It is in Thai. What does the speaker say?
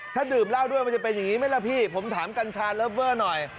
ถ้าดื่มเหล้าด้วยมันจะเป็นอย่างนี้ไหมล่ะพี่ผมถามกัญชาเลิฟเวอร์หน่อย